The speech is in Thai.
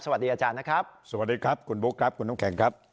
สวัสดีอาจารย์นะครับสวัสดีครับคุณบุ๊คครับคุณน้ำแข็งครับ